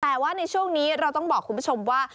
แต่ว่าในช่วงนี้เราต้องบอกคุณผู้ชมว่า